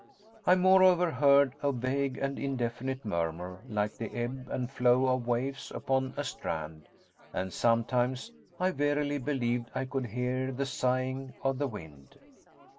I, moreover, heard a vague and indefinite murmur, like the ebb and flow of waves upon a strand, and sometimes I verily believed I could hear the sighing of the wind.